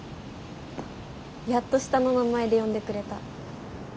やっと下の名前で呼んでくれた。